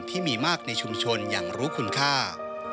ที่มีมากในชุมชนอย่างรู้คุณค่า